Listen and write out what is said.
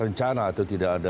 rencana atau tidak ada